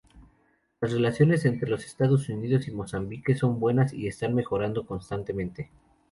Las relaciones entre los Estados Unidos y Mozambique son buenas y están mejorando constantemente.